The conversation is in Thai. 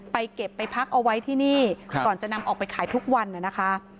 เก็บไปพักเอาไว้ที่นี่ก่อนจะนำออกไปขายทุกวันนะคะ